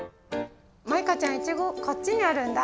マイカちゃんイチゴこっちにあるんだ。